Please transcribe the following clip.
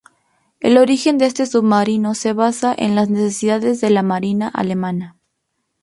El origen de este submarino se basa en las necesidades de la marina alemana.